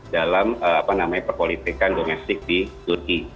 dalam apa namanya pepolitikkan domestik di turki